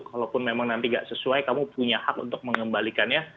kalaupun memang nanti gak sesuai kamu punya hak untuk mengembalikannya